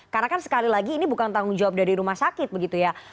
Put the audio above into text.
karena kan sekali lagi ini bukan tanggung jawab dari rumah sakit begitu ya